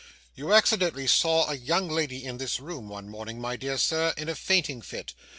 'You accidentally saw a young lady in this room one morning, my dear sir, in a fainting fit.